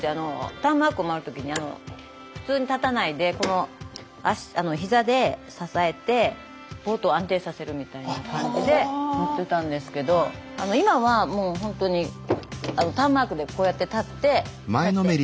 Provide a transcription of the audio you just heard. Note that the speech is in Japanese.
ターンマークを回る時に普通に立たないでこの膝で支えてボートを安定させるみたいな感じで乗ってたんですけど今はもうほんとにターンマークでこうやって立ってこうやって押さえて。